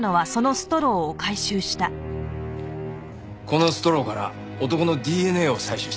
このストローから男のＤＮＡを採取した。